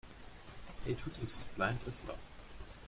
Hatred is as blind as love.